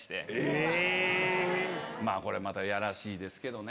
これまたやらしいですけどね。